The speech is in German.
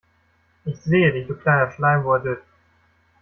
Ich sehe dich, du kleiner Schleimbeutel.